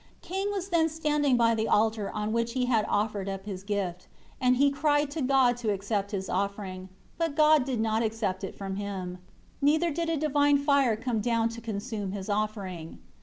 20 Cain was then standing by the altar on which he had offered up his gift; and he cried to God to accept his offering; but God did not accept it from him; neither did a divine fire come down to consume his offering.